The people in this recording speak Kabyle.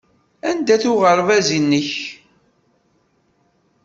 Anda-t uɣerbaz-nnek?